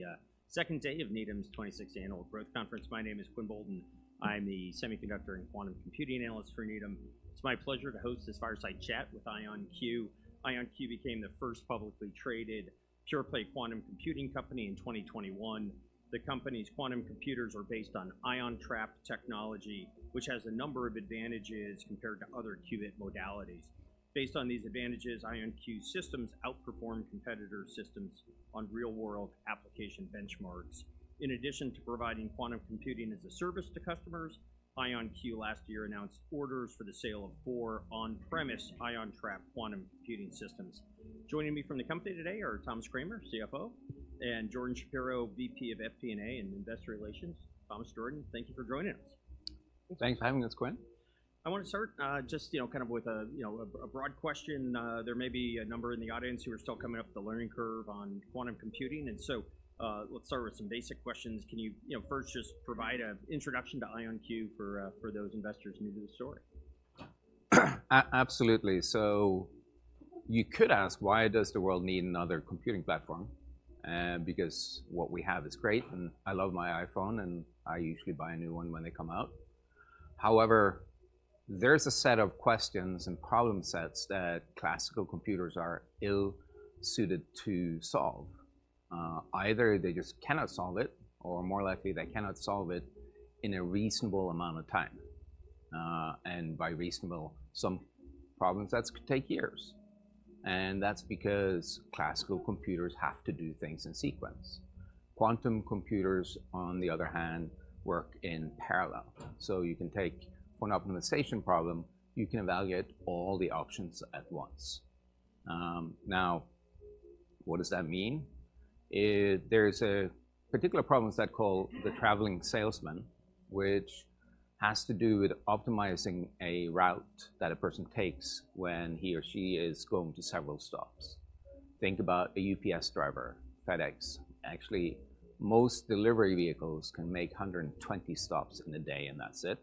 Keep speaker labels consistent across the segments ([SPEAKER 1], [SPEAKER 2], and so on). [SPEAKER 1] To the second day of Needham's 26th Annual Growth Conference. My name is Quinn Bolton. I'm the semiconductor and quantum computing analyst for Needham. It's my pleasure to host this fireside chat with IonQ. IonQ became the first publicly traded pure-play quantum computing company in 2021. The company's quantum computers are based on ion trap technology, which has a number of advantages compared to other qubit modalities. Based on these advantages, IonQ systems outperform competitor systems on real-world application benchmarks. In addition to providing quantum computing as a service to customers, IonQ last year announced orders for the sale of four on-premise ion trap quantum computing systems. Joining me from the company today are Thomas Kramer, CFO, and Jordan Shapiro, VP of FP&A and Investor Relations. Thomas, Jordan, thank you for joining us.
[SPEAKER 2] Thanks for having us, Quinn.
[SPEAKER 1] I want to start, just, you know, kind of with a broad question. There may be a number in the audience who are still coming up the learning curve on quantum computing, and so, let's start with some basic questions. Can you, you know, first just provide an introduction to IonQ for, for those investors new to the story?
[SPEAKER 2] Absolutely. So you could ask, why does the world need another computing platform? Because what we have is great, and I love my iPhone, and I usually buy a new one when they come out. However, there's a set of questions and problem sets that classical computers are ill-suited to solve. Either they just cannot solve it, or more likely, they cannot solve it in a reasonable amount of time. And by reasonable, some problem sets could take years, and that's because classical computers have to do things in sequence. Quantum computers, on the other hand, work in parallel. So you can take one optimization problem, you can evaluate all the options at once. Now, what does that mean? There's a particular problem set called the traveling salesman, which has to do with optimizing a route that a person takes when he or she is going to several stops. Think about a UPS driver, FedEx. Actually, most delivery vehicles can make 120 stops in a day, and that's it.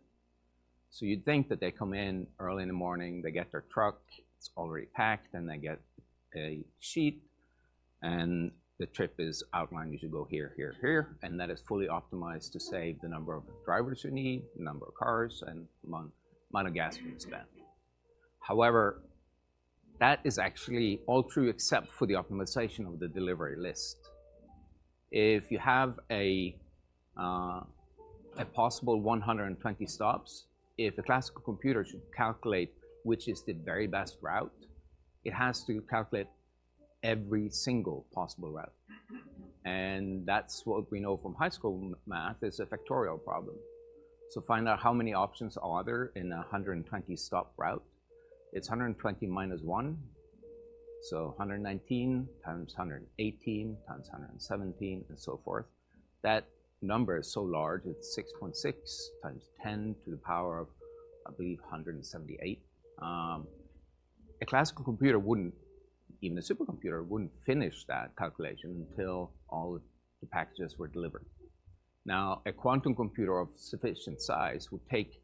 [SPEAKER 2] So you'd think that they come in early in the morning, they get their truck, it's already packed, and they get a sheet, and the trip is outlined, you should go here, here, here, and that is fully optimized to save the number of drivers you need, the number of cars, and the amount of gas being spent. However, that is actually all true, except for the optimization of the delivery list. If you have a possible 120 stops, if a classical computer should calculate which is the very best route, it has to calculate every single possible route. And that's what we know from high school math, is a factorial problem. So find out how many options are there in a 120-stop route. It's 120, -1, so 119 x 118 x 117, and so forth. That number is so large, it's 6.6 x 10 to the power of, I believe, 178. A classical computer wouldn't... even a supercomputer, wouldn't finish that calculation until all the packages were delivered. Now, a quantum computer of sufficient size would take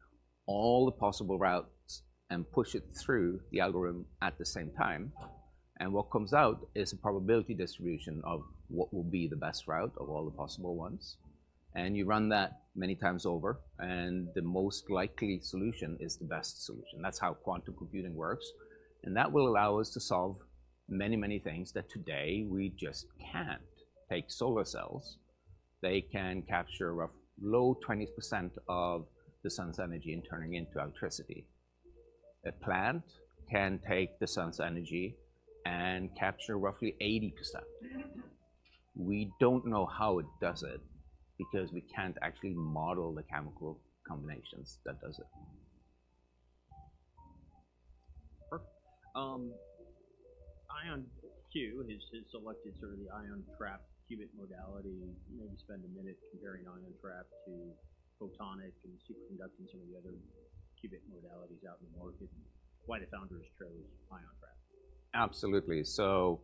[SPEAKER 2] all the possible routes and push it through the algorithm at the same time, and what comes out is a probability distribution of what will be the best route of all the possible ones, and you run that many times over, and the most likely solution is the best solution. That's how quantum computing works, and that will allow us to solve many, many things that today we just can't. Take solar cells, they can capture roughly 20% of the sun's energy and turning into electricity. A plant can take the sun's energy and capture roughly 80%. We don't know how it does it, because we can't actually model the chemical combinations that does it.
[SPEAKER 1] Perfect. IonQ has selected sort of the ion trap qubit modality. Maybe spend a minute comparing ion trap to photonic and superconducting, some of the other qubit modalities out in the market, and why the founders chose ion trap.
[SPEAKER 2] Absolutely. So,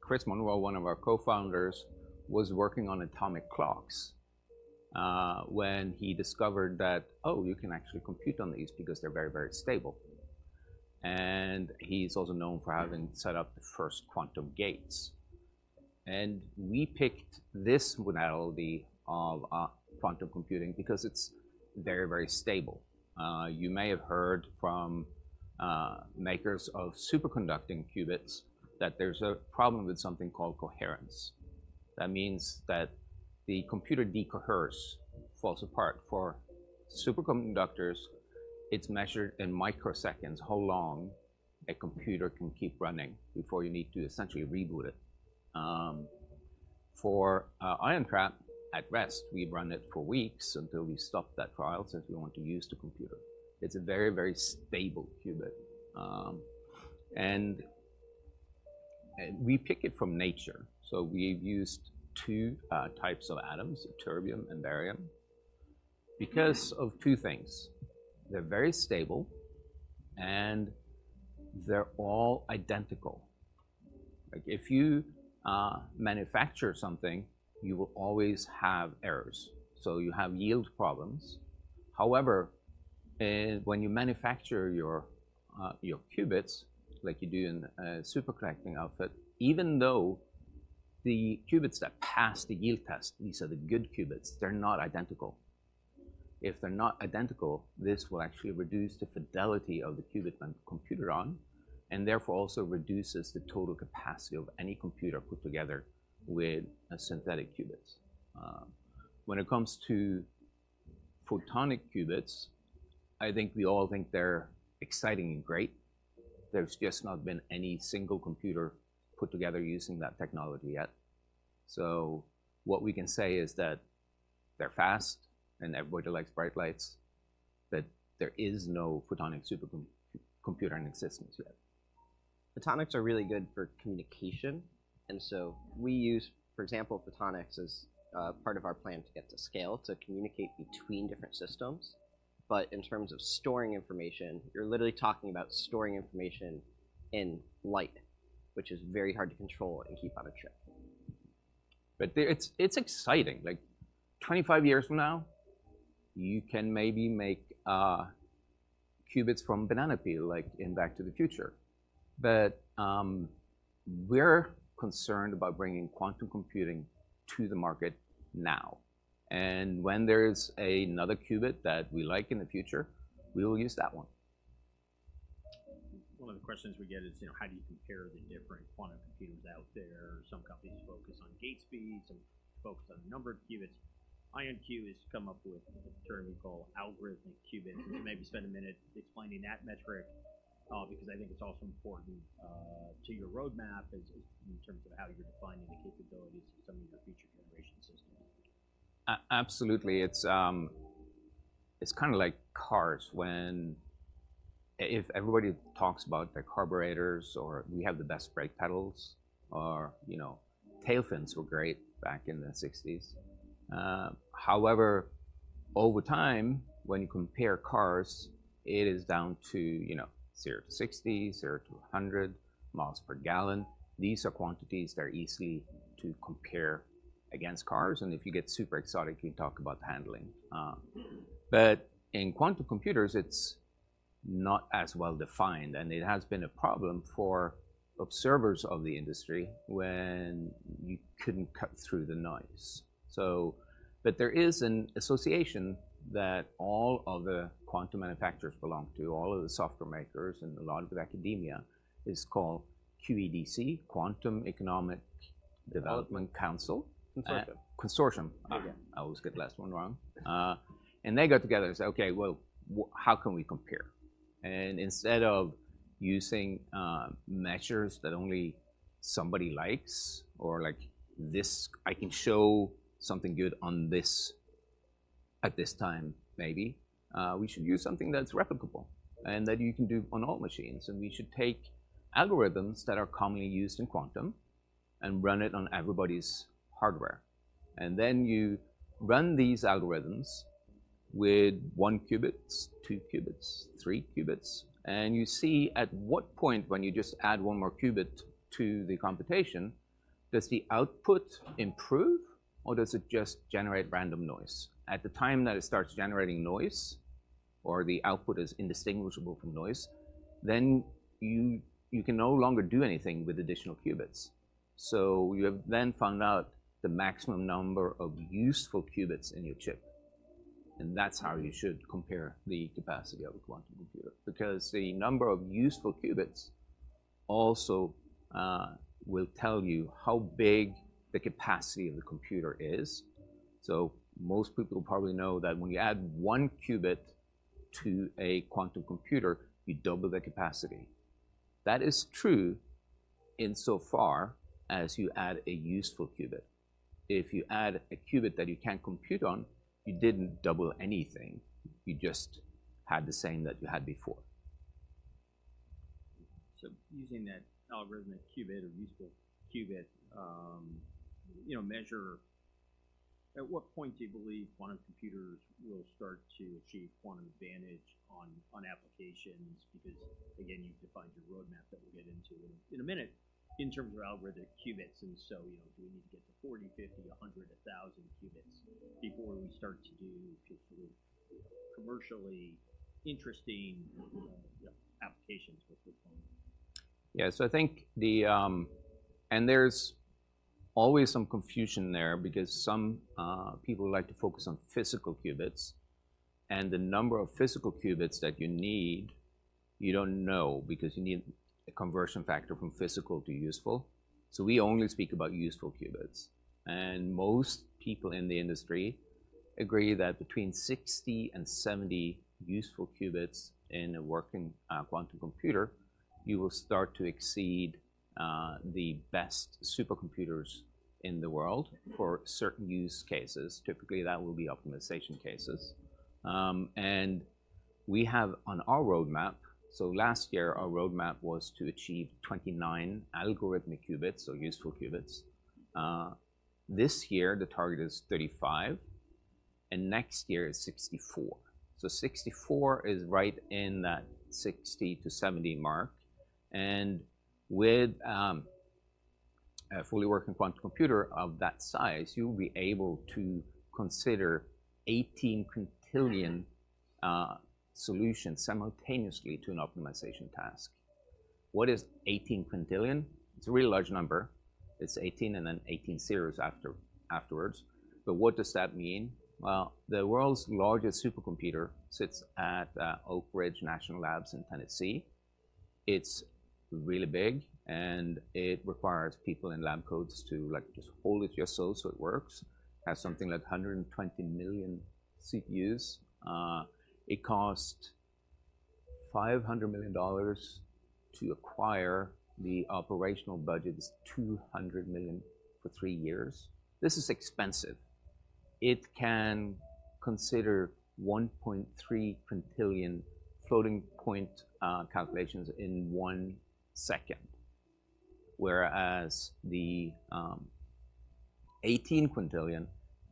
[SPEAKER 2] Chris Monroe, one of our co-founders, was working on atomic clocks when he discovered that, oh, you can actually compute on these because they're very, very stable. And he's also known for having set up the first quantum gates. And we picked this modality of quantum computing because it's very, very stable. You may have heard from makers of superconducting qubits that there's a problem with something called coherence. That means that the computer decoheres, falls apart. For superconductors, it's measured in microseconds, how long a computer can keep running before you need to essentially reboot it. For ion trap, at rest, we've run it for weeks until we stopped that trial, since we want to use the computer. It's a very, very stable qubit. We pick it from nature, so we've used two types of atoms, ytterbium and barium, because of two things: They're very stable, and they're all identical. Like, if you manufacture something, you will always have errors, so you have yield problems. When you manufacture your qubits like you do in a superconducting outfit, even though the qubits that pass the yield test, these are the good qubits, they're not identical. If they're not identical, this will actually reduce the fidelity of the qubit and computer arm, and therefore also reduces the total capacity of any computer put together with a synthetic qubits. When it comes to photonic qubits, I think we all think they're exciting and great. There's just not been any single computer put together using that technology yet. So what we can say is that they're fast, and everybody likes bright lights, but there is no photonic supercomputer in existence yet.
[SPEAKER 3] Photonics are really good for communication, and so we use, for example, photonics as part of our plan to get to scale, to communicate between different systems. But in terms of storing information, you're literally talking about storing information in light, which is very hard to control and keep on a chip.
[SPEAKER 2] But it's exciting. Like, 25 years from now, you can maybe make qubits from banana peel, like in Back to the Future. But we're concerned about bringing quantum computing to the market now, and when there is another qubit that we like in the future, we will use that one.
[SPEAKER 1] One of the questions we get is, you know, how do you compare the different quantum computers out there? Some companies focus on gate speed, some focus on the number of qubits. IonQ has come up with a term we call algorithmic qubits. Maybe spend a minute explaining that metric, because I think it's also important to your roadmap as, as in terms of how you're defining the capabilities of some of your future generation systems.
[SPEAKER 2] Absolutely. It's kind of like cars when... If everybody talks about their carburetors or we have the best brake pedals or, you know, tail fins were great back in the 1960s. However, over time, when you compare cars, it is down to, you know, 0 to 60, 0 to 100, miles per gallon. These are quantities that are easy to compare against cars, and if you get super exotic, you talk about handling. But in quantum computers, it's not as well defined, and it has been a problem for observers of the industry when you couldn't cut through the noise. So, but there is an association that all of the quantum manufacturers belong to, all of the software makers and a lot of academia, is called QEDC, Quantum Economic Development Consortium.
[SPEAKER 1] Consortium.
[SPEAKER 2] Consortium.
[SPEAKER 1] Yeah.
[SPEAKER 2] I always get the last one wrong. And they got together and said, "Okay, well, how can we compare?" And instead of using measures that only somebody likes or like this, I can show something good on this at this time, maybe, we should use something that's replicable and that you can do on all machines. And we should take algorithms that are commonly used in quantum and run it on everybody's hardware. And then you run these algorithms with 1 qubit, 2 qubits, 3 qubits, and you see at what point when you just add one more qubit to the computation, does the output improve, or does it just generate random noise? At the time that it starts generating noise, or the output is indistinguishable from noise, then you can no longer do anything with additional qubits. So you have then found out the maximum number of useful qubits in your chip, and that's how you should compare the capacity of a quantum computer, because the number of useful qubits also will tell you how big the capacity of the computer is. So most people probably know that when you add one qubit to a quantum computer, you double the capacity. That is true in so far as you add a useful qubit. If you add a qubit that you can't compute on, you didn't double anything. You just had the same that you had before.
[SPEAKER 1] So using that algorithmic qubit or useful qubit, you know, measure, at what point do you believe quantum computers will start to achieve quantum advantage on, on applications? Because, again, you've defined your roadmap that we'll get into in, in a minute in terms of algorithmic qubits. And so, you know, do we need to get to 40, 50, 100, 1,000 qubits before we start to do sort of commercially interesting applications with this one?
[SPEAKER 2] Yeah. So I think. And there's always some confusion there because some people like to focus on physical qubits, and the number of physical qubits that you need, you don't know, because you need a conversion factor from physical to useful. So we only speak about useful qubits, and most people in the industry agree that between 60 and 70 useful qubits in a working quantum computer, you will start to exceed the best supercomputers in the world for certain use cases. Typically, that will be optimization cases. And we have on our roadmap, so last year, our roadmap was to achieve 29 algorithmic qubits, so useful qubits. This year, the target is 35, and next year is 64. So 64 is right in that 60-70 mark, and with... A fully working quantum computer of that size, you will be able to consider 18 quintillion solutions simultaneously to an optimization task. What is 18 quintillion? It's a really large number. It's 18 and then 18 zeros afterwards. But what does that mean? Well, the world's largest supercomputer sits at Oak Ridge National Labs in Tennessee. It's really big, and it requires people in lab coats to, like, just hold it just so, so it works. It has something like 120 million CPUs. It cost $500 million to acquire. The operational budget is $200 million for 3 years. This is expensive. It can consider 1.3 quintillion floating point calculations in one second, whereas the 18 quintillion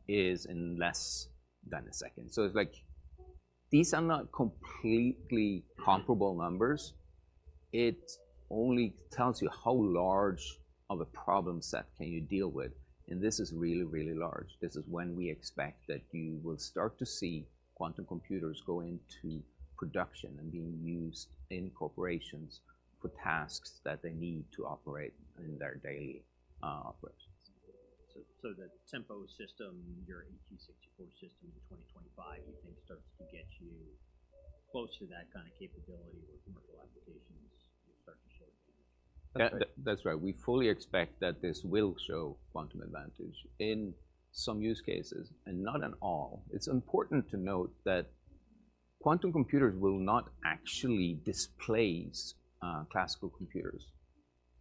[SPEAKER 2] is in less than a second. So it's like these are not completely comparable numbers. It only tells you how large of a problem set can you deal with, and this is really, really large. This is when we expect that you will start to see quantum computers go into production and being used in corporations for tasks that they need to operate in their daily operations.
[SPEAKER 1] So, the Tempo system, your AQ 64 system in 2025, you think starts to get you close to that kind of capability where commercial applications will start to show?
[SPEAKER 2] Yeah, that's right. We fully expect that this will show Quantum Advantage in some use cases, and not in all. It's important to note that quantum computers will not actually displace classical computers.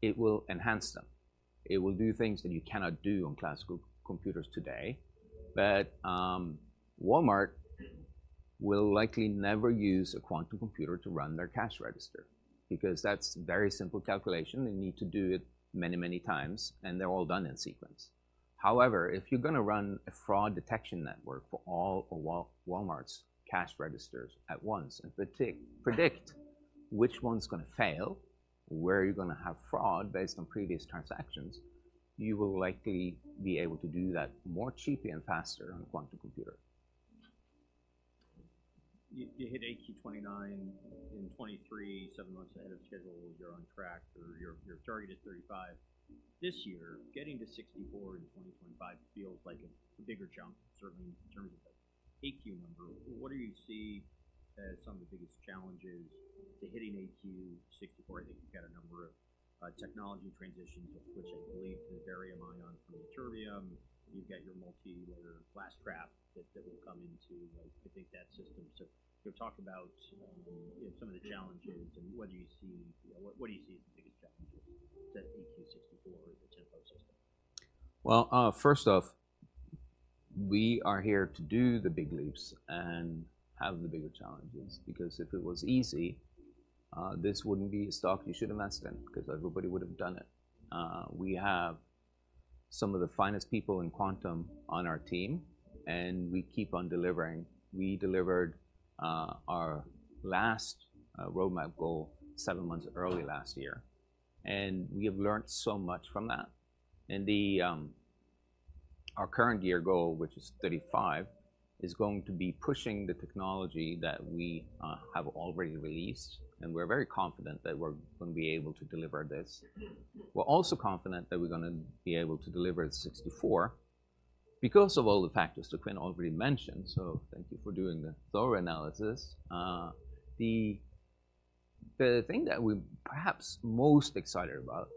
[SPEAKER 2] It will enhance them. It will do things that you cannot do on classical computers today. But Walmart will likely never use a quantum computer to run their cash register, because that's a very simple calculation. They need to do it many, many times, and they're all done in sequence. However, if you're gonna run a fraud detection network for all of Walmart's cash registers at once, and predict which one's gonna fail, where you're gonna have fraud based on previous transactions, you will likely be able to do that more cheaply and faster on a quantum computer.
[SPEAKER 1] You, you hit AQ 29 in 2023, seven months ahead of schedule. You're on track, or your, your target is 35. This year, getting to 64 in 2025 feels like a bigger jump, certainly in terms of the AQ number. What do you see as some of the biggest challenges to hitting AQ 64? I think you've got a number of technology transitions, of which I believe the barium ion from Ytterbium, you've got your multi-layer glass trap that will come into, like, I think, that system. So talk about, you know, some of the challenges and what do you see... What, what do you see as the biggest challenges to the AQ 64, the Tempo system?
[SPEAKER 2] Well, first off, we are here to do the big leaps and have the bigger challenges, because if it was easy, this wouldn't be a stock you should invest in, because everybody would have done it. We have some of the finest people in quantum on our team, and we keep on delivering. We delivered our last roadmap goal 7 months early last year, and we have learned so much from that. And our current year goal, which is 35, is going to be pushing the technology that we have already released, and we're very confident that we're gonna be able to deliver this. We're also confident that we're gonna be able to deliver at 64 because of all the factors that Quinn already mentioned, so thank you for doing the thorough analysis. The thing that we're perhaps most excited about,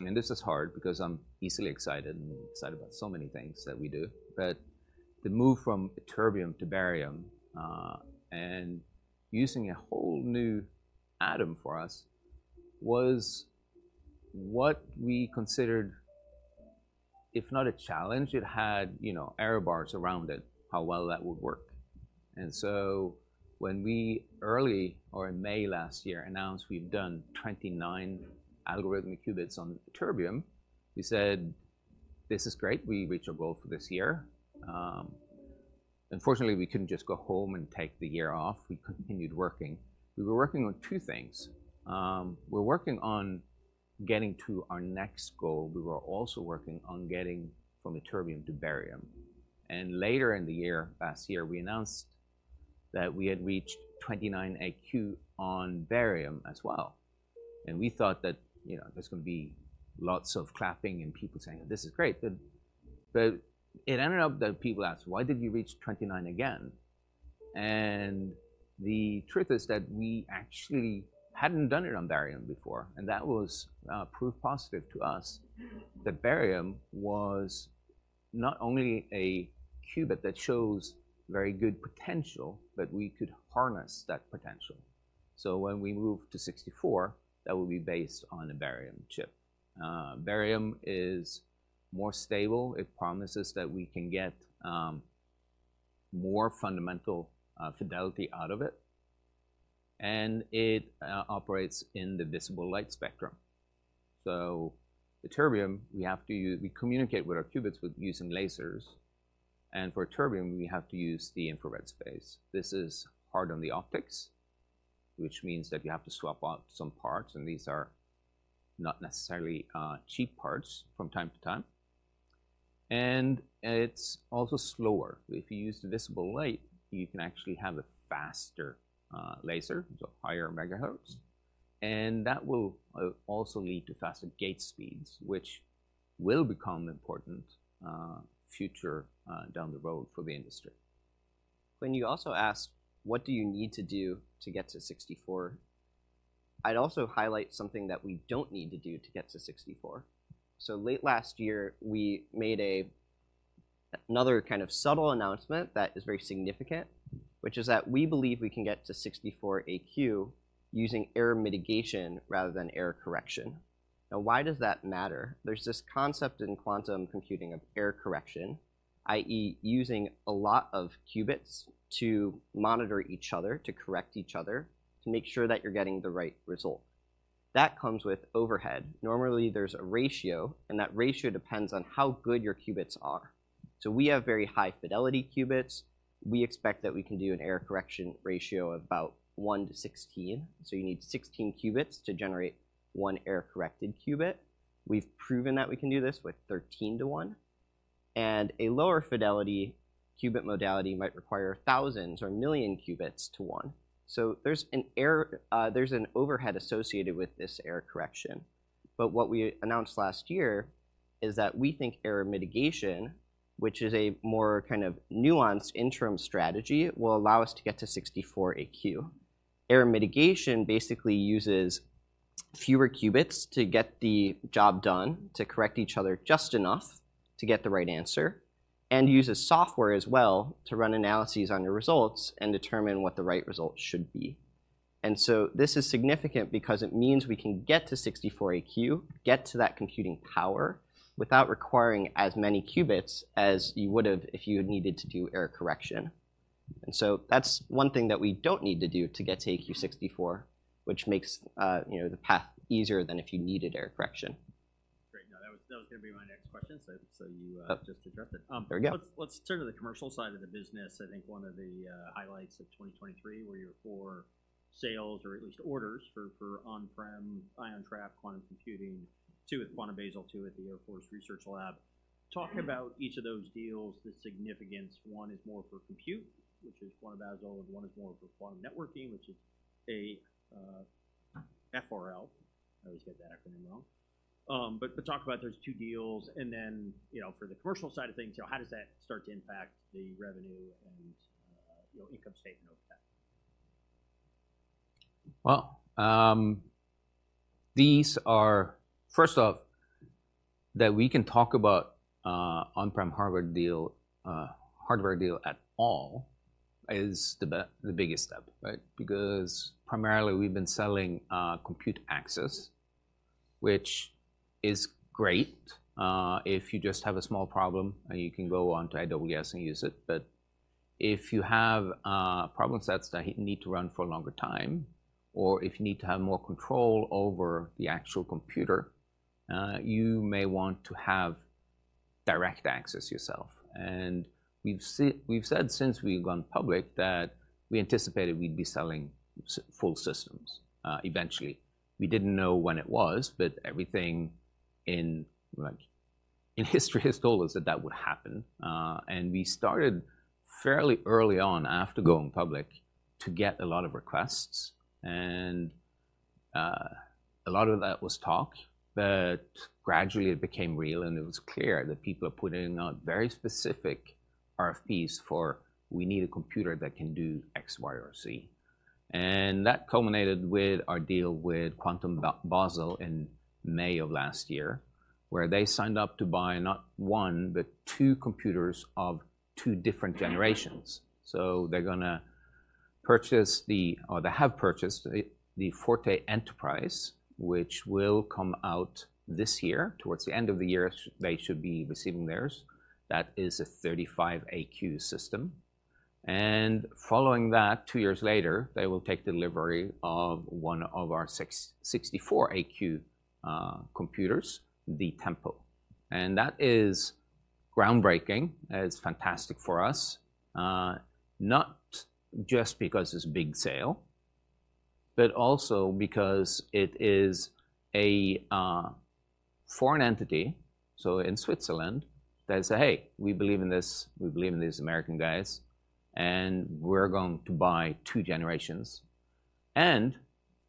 [SPEAKER 2] and this is hard because I'm easily excited and excited about so many things that we do, but the move from Ytterbium to Barium, and using a whole new atom for us, was what we considered, if not a challenge, it had, you know, error bars around it, how well that would work. And so when we, in May last year, announced we've done 29 algorithmic qubits on Ytterbium, we said, "This is great. We reached our goal for this year." Unfortunately, we couldn't just go home and take the year off. We continued working. We were working on two things. We're working on getting to our next goal. We were also working on getting from Ytterbium to Barium. And later in the year, last year, we announced that we had reached 29 AQ on Barium as well, and we thought that, you know, there's gonna be lots of clapping and people saying, "This is great!" But it ended up that people asked, "Why did you reach 29 again?" And the truth is that we actually hadn't done it on Barium before, and that was proof positive to us that Barium was not only a qubit that shows very good potential, but we could harness that potential. So when we move to 64, that will be based on a Barium chip. Barium is more stable. It promises that we can get more fundamental fidelity out of it, and it operates in the visible light spectrum. So, Ytterbium, we have to use—we communicate with our qubits with using lasers, and for Ytterbium, we have to use the infrared space. This is hard on the optics... which means that you have to swap out some parts, and these are not necessarily cheap parts from time to time. And it's also slower. If you use the visible light, you can actually have a faster laser, so higher megahertz, and that will also lead to faster gate speeds, which will become important future down the road for the industry.
[SPEAKER 3] When you also ask, what do you need to do to get to 64? I'd also highlight something that we don't need to do to get to 64. So late last year, we made another kind of subtle announcement that is very significant, which is that we believe we can get to 64 AQ using error mitigation rather than error correction. Now, why does that matter? There's this concept in quantum computing of error correction, i.e., using a lot of qubits to monitor each other, to correct each other, to make sure that you're getting the right result. That comes with overhead. Normally, there's a ratio, and that ratio depends on how good your qubits are. So we have very high-fidelity qubits. We expect that we can do an error correction ratio of about 1 to 16, so you need 16 qubits to generate 1 error-corrected qubit. We've proven that we can do this with 13:1, and a lower-fidelity qubit modality might require thousands or 1 million qubits to 1. So there's an overhead associated with this error correction. But what we announced last year is that we think error mitigation, which is a more kind of nuanced interim strategy, will allow us to get to 64 AQ. Error mitigation basically uses fewer qubits to get the job done, to correct each other just enough to get the right answer, and uses software as well to run analyses on your results and determine what the right result should be. And so this is significant because it means we can get to 64 AQ, get to that computing power, without requiring as many qubits as you would have if you had needed to do error correction. So that's one thing that we don't need to do to get to AQ 64, which makes, you know, the path easier than if you needed error correction.
[SPEAKER 1] Great. No, that was, that was gonna be my next question, so, so you, just addressed it.
[SPEAKER 3] There we go.
[SPEAKER 1] Let's turn to the commercial side of the business. I think one of the highlights of 2023 were your 4 sales, or at least orders, for on-prem ion trap quantum computing, 2 at Quantum Basel, 2 at the Air Force Research Lab. Talk about each of those deals, the significance. One is more for compute, which is Quantum Basel, and one is more for quantum networking, which is AFRL. I always get that acronym wrong. But talk about those two deals, and then, you know, for the commercial side of things, you know, how does that start to impact the revenue and, you know, income statement over time?
[SPEAKER 2] Well, these are... First off, that we can talk about on-prem hardware deal, hardware deal at all is the biggest step, right? Because primarily, we've been selling compute access, which is great if you just have a small problem and you can go onto AWS and use it. But if you have problem sets that you need to run for a longer time, or if you need to have more control over the actual computer, you may want to have direct access yourself. And we've said since we've gone public that we anticipated we'd be selling full systems eventually. We didn't know when it was, but everything in, like, in history has told us that that would happen. And we started fairly early on after going public to get a lot of requests, and a lot of that was talk, but gradually it became real, and it was clear that people are putting out very specific RFPs for, "We need a computer that can do X, Y, or Z." And that culminated with our deal with Quantum Basel in May of last year, where they signed up to buy not one, but two computers of two different generations. So they're gonna purchase the Forte Enterprise, or they have purchased the Forte Enterprise, which will come out this year. Towards the end of the year, they should be receiving theirs. That is a 35 AQ system, and following that, two years later, they will take delivery of one of our 64 AQ computers, the Tempo. That is groundbreaking, it's fantastic for us, not just because it's a big sale, but also because it is a foreign entity, so in Switzerland, that say, "Hey, we believe in this. We believe in these American guys, and we're going to buy two generations."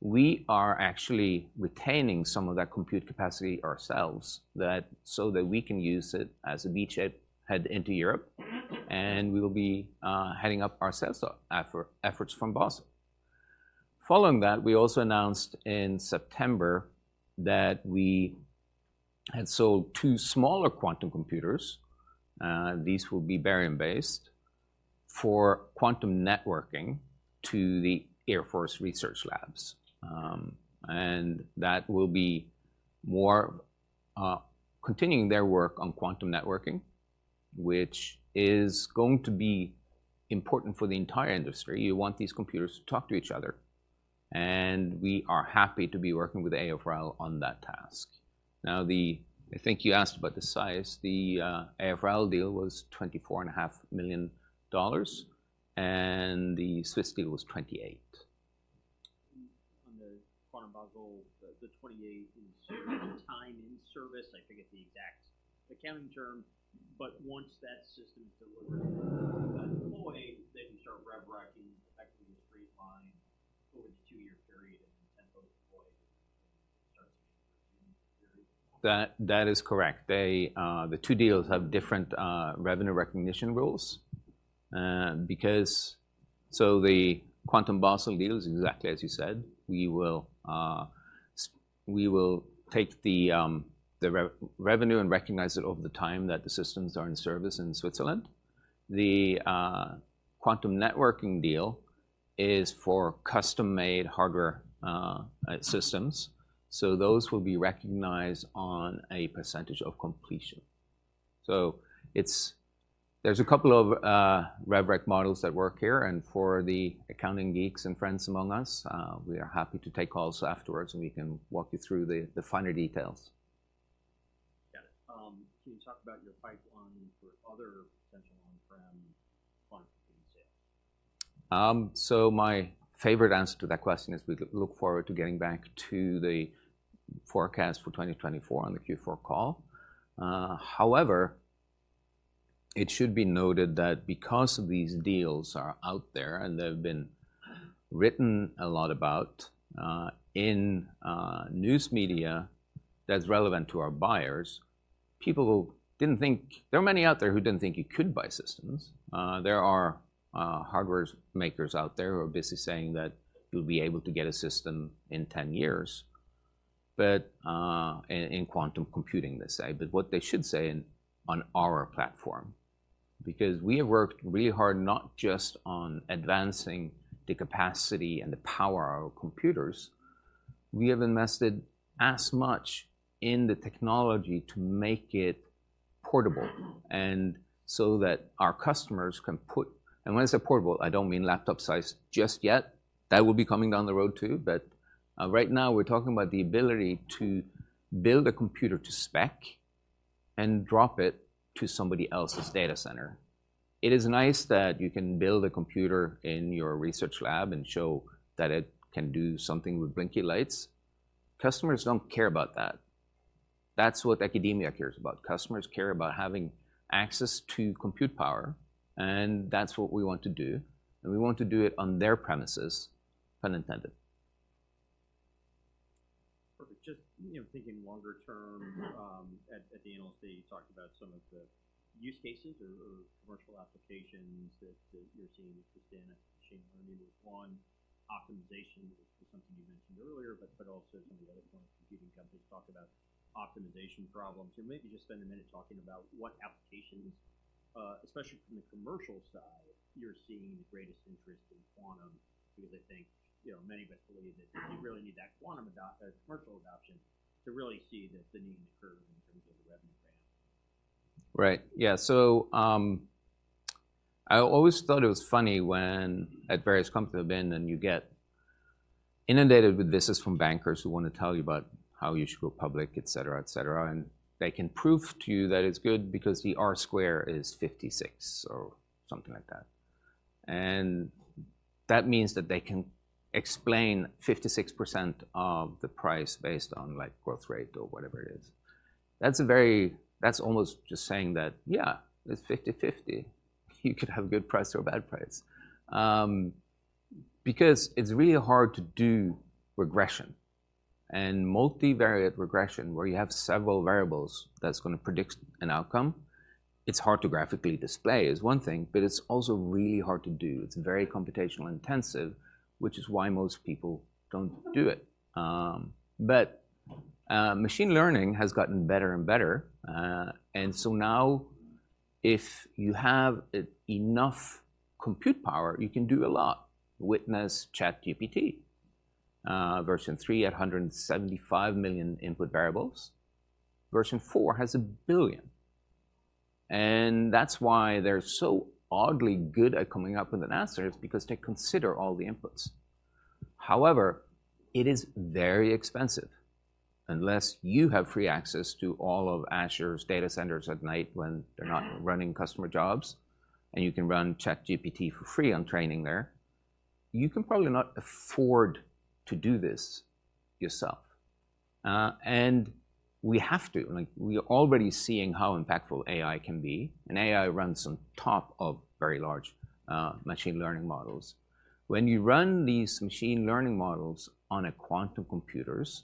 [SPEAKER 2] We are actually retaining some of that compute capacity ourselves, so that we can use it as a beachhead, head into Europe, and we will be heading up our sales efforts from Basel. Following that, we also announced in September that we had sold two smaller quantum computers, these will be barium-based, for quantum networking to the Air Force Research Labs. And that will be more continuing their work on quantum networking, which is going to be important for the entire industry. You want these computers to talk to each other, and we are happy to be working with AFRL on that task. Now, the, I think you asked about the size. The AFRL deal was $24.5 million, and the Swiss deal was $28 million.
[SPEAKER 1] On the Quantum Basel, the 28 in time in service, I forget the exact accounting term, but once that system is delivered, deployed, then you start rev rec-ing effectively the straight line over the 2-year period and then Tempo deployed starts to-
[SPEAKER 2] That is correct. They, the two deals have different, revenue recognition rules, because— So the Quantum Basel deal is exactly as you said, we will, we will take the, the revenue and recognize it over the time that the systems are in service in Switzerland. The, Quantum Networking deal is for custom-made hardware, systems, so those will be recognized on a percentage of completion. So it's— there's a couple of, rev rec models at work here, and for the accounting geeks and friends among us, we are happy to take calls afterwards, and we can walk you through the, the finer details.
[SPEAKER 1] Yeah. Can you talk about your pipeline for other potential on-prem quantum sales?
[SPEAKER 2] So my favorite answer to that question is we look forward to getting back to the forecast for 2024 on the Q4 call. However, it should be noted that because these deals are out there and they've been written a lot about in news media that's relevant to our buyers, people who didn't think... There are many out there who didn't think you could buy systems. There are hardware makers out there who are busy saying that you'll be able to get a system in 10 years, but in quantum computing, they say. But what they should say, in, on our platform, because we have worked really hard not just on advancing the capacity and the power of our computers, we have invested as much in the technology to make it portable and so that our customers can put. And when I say portable, I don't mean laptop size just yet. That will be coming down the road, too. But, right now we're talking about the ability to build a computer to spec and drop it to somebody else's data center. It is nice that you can build a computer in your research lab and show that it can do something with blinky lights. Customers don't care about that. That's what academia cares about. Customers care about having access to compute power, and that's what we want to do, and we want to do it on their premises, pun intended.
[SPEAKER 1] Perfect. Just, you know, thinking longer term, at the Analyst Day, you talked about some of the use cases or commercial applications that you're seeing interest in. Machine learning was one. Optimization was something you mentioned earlier, but also some of the other quantum computing companies talked about optimization problems. So maybe just spend a minute talking about what applications, especially from the commercial side, you're seeing the greatest interest in quantum. Because I think, you know, many of us believe that you really need that commercial adoption to really see the need occur in terms of the revenue ramp.
[SPEAKER 2] Right. Yeah. I always thought it was funny when at various companies I've been in, you get inundated with visits from bankers who want to tell you about how you should go public, et cetera, et cetera. They can prove to you that it's good because the R-squared is 56 or something like that. And that means that they can explain 56% of the price based on, like, growth rate or whatever it is. That's almost just saying that: "Yeah, it's 50/50. You could have a good price or a bad price." Because it's really hard to do regression and multivariate regression, where you have several variables that's gonna predict an outcome. It's hard to graphically display is one thing, but it's also really hard to do. It's very computationally intensive, which is why most people don't do it. But, machine learning has gotten better and better. And so now if you have enough compute power, you can do a lot. Witness ChatGPT, version 3 at 175 million input variables. Version 4 has 1 billion, and that's why they're so oddly good at coming up with an answer, is because they consider all the inputs. However, it is very expensive. Unless you have free access to all of Azure's data centers at night when they're not running customer jobs, and you can run ChatGPT for free on training there, you can probably not afford to do this yourself. And we have to. Like, we are already seeing how impactful AI can be, and AI runs on top of very large, machine learning models. When you run these machine learning models on a quantum computers,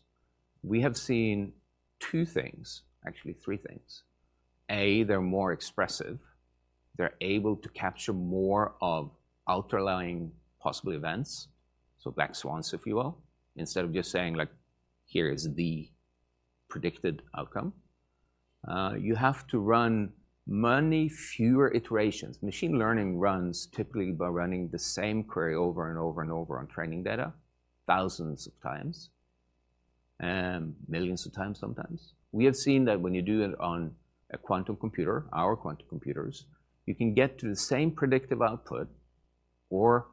[SPEAKER 2] we have seen two things, actually three things. A, they're more expressive. They're able to capture more of outlying possible events, so black swans, if you will, instead of just saying, like, "Here is the predicted outcome." You have to run many fewer iterations. Machine learning runs typically by running the same query over and over and over on training data, thousands of times, millions of times sometimes. We have seen that when you do it on a quantum computer, our quantum computers, you can get to the same predictive output or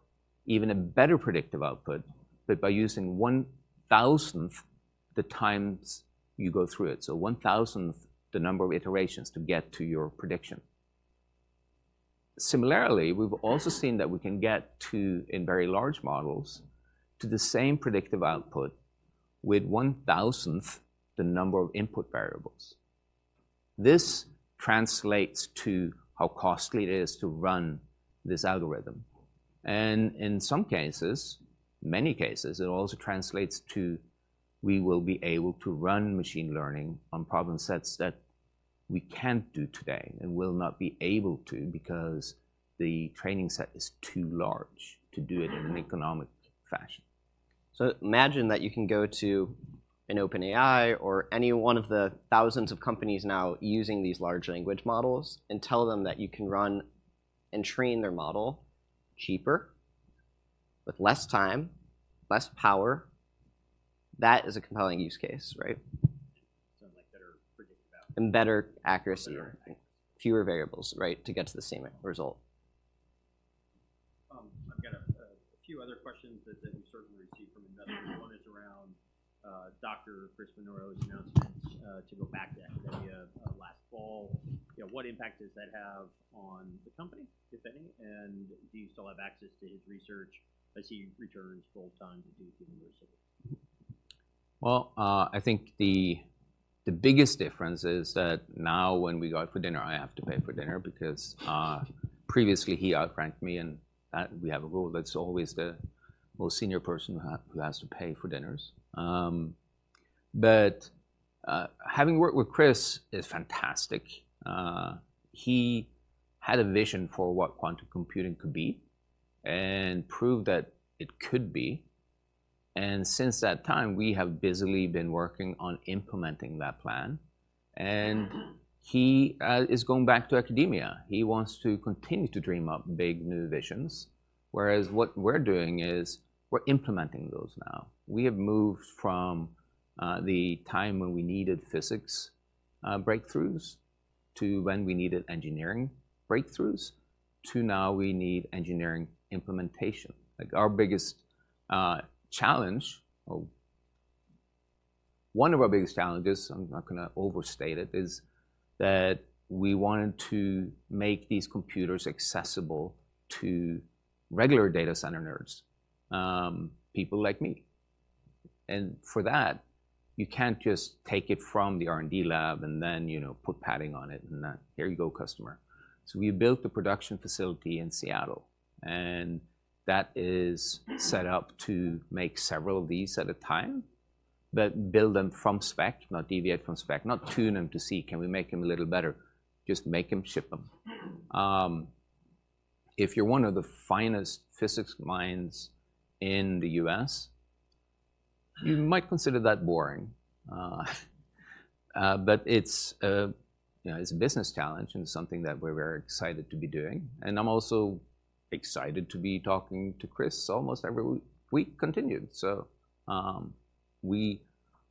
[SPEAKER 2] even a better predictive output, but by using one-thousandth the times you go through it, so one-thousandth the number of iterations to get to your prediction. Similarly, we've also seen that we can get to, in very large models, to the same predictive output with 1/1000th the number of input variables. This translates to how costly it is to run this algorithm, and in some cases, many cases, it also translates to we will be able to run machine learning on problem sets that we can't do today and will not be able to because the training set is too large to do it in an economic fashion.
[SPEAKER 3] So imagine that you can go to an OpenAI or any one of the thousands of companies now using these large language models and tell them that you can run and train their model cheaper, with less time, less power. That is a compelling use case, right?
[SPEAKER 1] Sounds like better predictive value-
[SPEAKER 3] Better accuracy or fewer variables, right, to get to the same result.
[SPEAKER 1] I've got a few other questions that we certainly received from investors. One is around Dr. Chris Monroe's announcement to go back to academia last fall. You know, what impact does that have on the company, if any? And do you still have access to his research as he returns full-time to Duke University?
[SPEAKER 2] Well, I think the biggest difference is that now when we go out for dinner, I have to pay for dinner because previously he outranked me, and that we have a rule that's always the most senior person who has to pay for dinners. But having worked with Chris is fantastic. He had a vision for what quantum computing could be and proved that it could be, and since that time, we have busily been working on implementing that plan.
[SPEAKER 1] Mm-hmm.
[SPEAKER 2] He is going back to academia. He wants to continue to dream up big, new visions, whereas what we're doing is we're implementing those now. We have moved from the time when we needed physics breakthroughs, to when we needed engineering breakthroughs, to now we need engineering implementation. Like, our biggest challenge, or one of our biggest challenges, I'm not gonna overstate it, is that we wanted to make these computers accessible to regular data center nerds, people like me. And for that, you can't just take it from the R&D lab and then, you know, put padding on it and then, "Here you go, customer." So we built a production facility in Seattle, and that is set up to make several of these at a time, but build them from spec, not deviate from spec, not tune them to see, can we make them a little better? Just make them, ship them. If you're one of the finest physics minds in the U.S., you might consider that boring. But it's a, you know, it's a business challenge and something that we're very excited to be doing, and I'm also excited to be talking to Chris almost every week, week continued. So,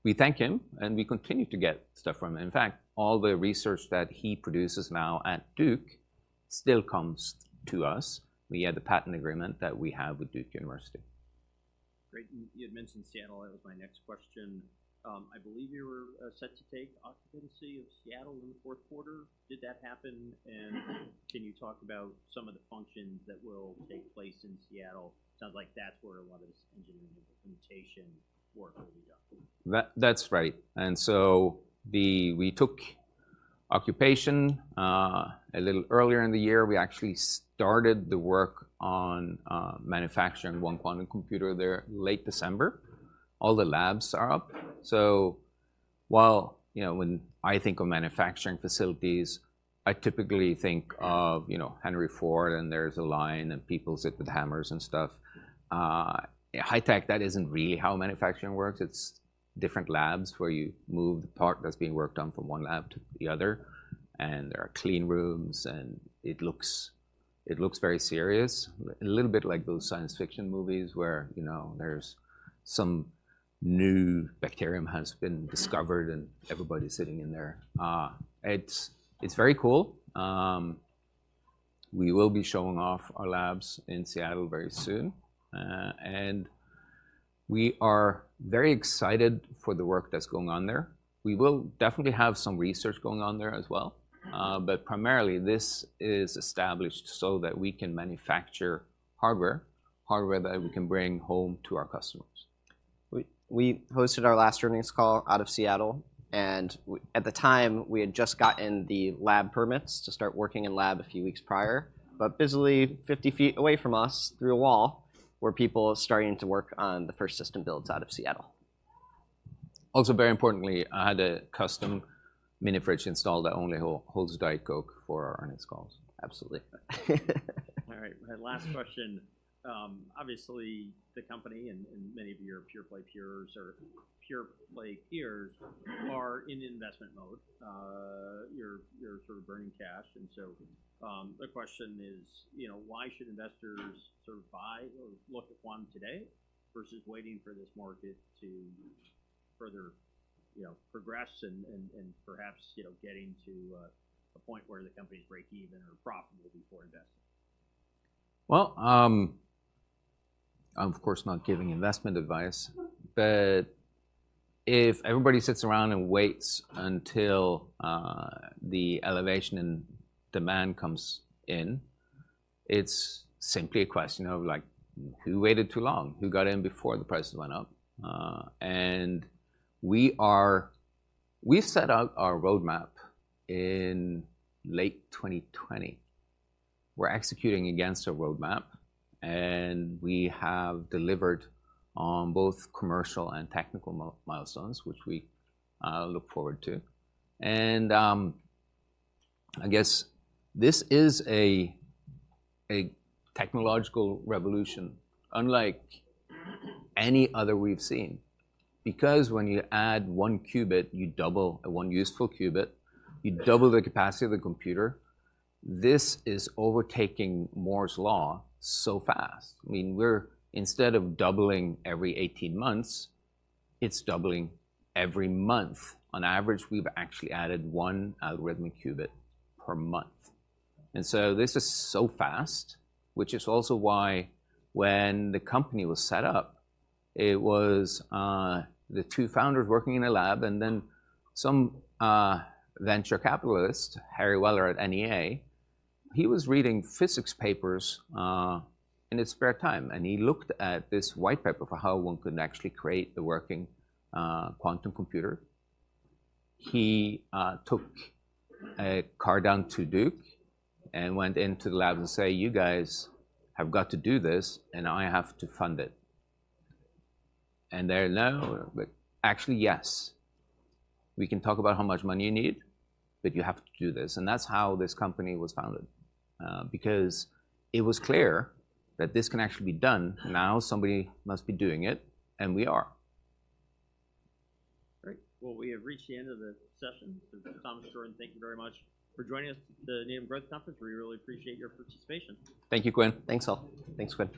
[SPEAKER 2] we thank him, and we continue to get stuff from him. In fact, all the research that he produces now at Duke still comes to us via the patent agreement that we have with Duke University.
[SPEAKER 1] Great, and you had mentioned Seattle. That was my next question. I believe you were set to take occupancy of Seattle in the fourth quarter. Did that happen? And can you talk about some of the functions that will take place in Seattle? Sounds like that's where a lot of this engineering implementation work will be done.
[SPEAKER 2] That's right. And so we took occupation a little earlier in the year. We actually started the work on manufacturing one quantum computer there late December. All the labs are up. So while, you know, when I think of manufacturing facilities, I typically think of, you know, Henry Ford, and there's a line, and people sit with hammers and stuff. In high tech, that isn't really how manufacturing works. It's different labs where you move the part that's being worked on from one lab to the other, and there are clean rooms, and it looks, it looks very serious, a little bit like those science fiction movies where, you know, there's some new bacterium has been discovered and everybody's sitting in there. It's very cool. We will be showing off our labs in Seattle very soon, and we are very excited for the work that's going on there. We will definitely have some research going on there as well, but primarily this is established so that we can manufacture hardware, hardware that we can bring home to our customers.
[SPEAKER 3] We hosted our last earnings call out of Seattle, and at the time, we had just gotten the lab permits to start working in the lab, a few weeks prior. But busily, 50 feet away from us, through a wall, were people starting to work on the first system builds out of Seattle.
[SPEAKER 2] Also, very importantly, I had a custom mini fridge installed that only holds Diet Coke for our earnings calls.
[SPEAKER 3] Absolutely.
[SPEAKER 1] All right. Last question. Obviously, the company and many of your pure-play peers are in investment mode. You're sort of burning cash, and so the question is, you know, why should investors sort of buy or look at Quantum today versus waiting for this market to further, you know, progress and perhaps, you know, getting to a point where the company's break even or profitable before investing?
[SPEAKER 2] Well, I'm of course not giving investment advice, but if everybody sits around and waits until the elevation in demand comes in, it's simply a question of like, who waited too long? Who got in before the prices went up? And we are, we set out our roadmap in late 2020. We're executing against a roadmap, and we have delivered on both commercial and technical milestones, which we look forward to. And I guess this is a technological revolution unlike any other we've seen, because when you add one qubit, you double, one useful qubit, you double the capacity of the computer. This is overtaking Moore's Law so fast. I mean, we're, instead of doubling every 18 months, it's doubling every month. On average, we've actually added one algorithmic qubit per month. And so this is so fast, which is also why when the company was set up, it was the two founders working in a lab, and then some venture capitalist, Harry Weller at NEA, he was reading physics papers in his spare time, and he looked at this white paper for how one could actually create a working quantum computer. He took a car down to Duke and went into the lab and say, "You guys have got to do this, and I have to fund it." And they're, "No," but actually, yes. We can talk about how much money you need, but you have to do this. And that's how this company was founded. Because it was clear that this can actually be done, now somebody must be doing it, and we are.
[SPEAKER 1] Great! Well, we have reached the end of the session. So, Thomas, Jordan, thank you very much for joining us at the Needham Growth Conference. We really appreciate your participation.
[SPEAKER 2] Thank you, Quinn. Thanks all. Thanks, Quinn.